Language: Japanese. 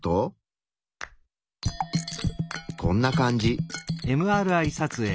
こんな感じ。